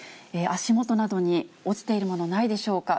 足元などに落ちているもの、ないでしょうか。